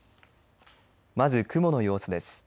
まず雲の様子です。